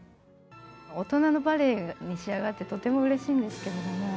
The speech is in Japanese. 大人のバレエに仕上がってとてもうれしいんですけれども。